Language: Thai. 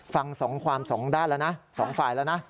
ฟังความสงด้านละนะสองฝ่ายละนะ